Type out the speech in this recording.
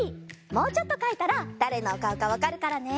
もうちょっとかいたらだれのおかおかわかるからね。